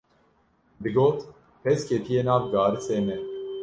Digot: pez ketiye nav garisê me